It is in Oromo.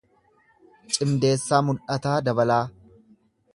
Cimdeessaa Mul’ataa Dabalaa